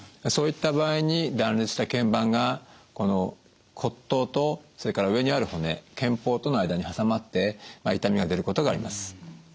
そういった場合に断裂した腱板がこの骨頭とそれから上にある骨肩峰との間に挟まって痛みが出ることがあります。